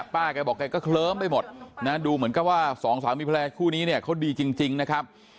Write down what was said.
ป้าก็บอกก็เคลื้อมไปหมดนะดูเหมือนก็ว่าศไทยมีแพลคู่นี้เนี่ยเค้าดีจริงนะครับ